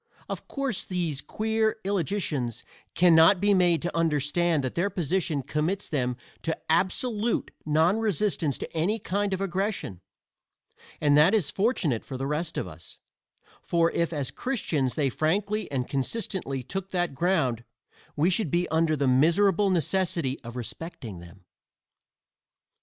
Of course these queer illogicians can not be made to understand that their position commits them to absolute non resistance to any kind of aggression; and that is fortunate for the rest of us, for if as Christians they frankly and consistently took that ground we should be under the miserable necessity of respecting them.